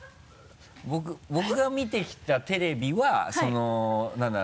僕が見てきたテレビはその何だ？